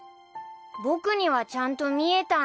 僕にはちゃんと見えたんだ